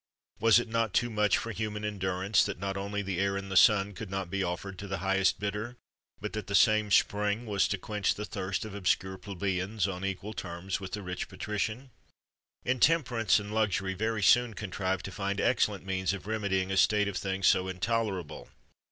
Was it not too much for human endurance, that not only the air and the sun could not be offered to the highest bidder,[XXV 24] but that the same spring was to quench the thirst of obscure plebeians on equal terms with the rich patrician? Intemperance and luxury very soon contrived to find excellent means of remedying a state of things so intolerable.